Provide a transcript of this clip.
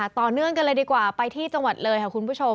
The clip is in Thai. ต่อเนื่องกันเลยดีกว่าไปที่จังหวัดเลยค่ะคุณผู้ชม